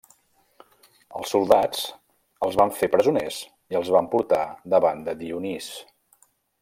Els soldats els van fer presoners i els van portar davant de Dionís.